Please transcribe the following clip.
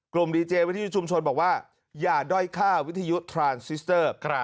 ดีเจวิทยุชุมชนบอกว่าอย่าด้อยค่าวิทยุทรานซิสเตอร์